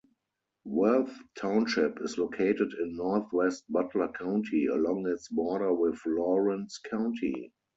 Worth Township is located in northwest Butler County, along its border with Lawrence County.